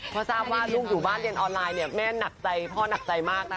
พอทราบว่าลูกอยู่บ้านเรียนออนไลน์เนี่ยแม่หนักใจพ่อหนักใจมากนะคะ